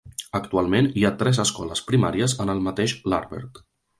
Actualment hi ha tres escoles primàries en el mateix Larbert.